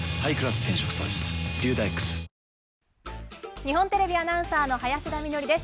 日本テレビアナウンサーの林田美学です。